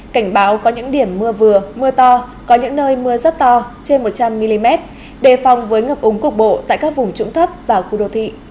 cảnh báo có những điểm mưa vừa mưa to có những nơi mưa rất to trên một trăm linh mm đề phòng với ngập ống cục bộ tại các vùng trũng thấp và khu đô thị